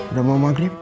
sudah mau maghrib